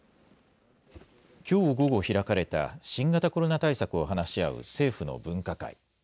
きょう午後開かれた、新型コロナ対策を話し合う政府の分科会。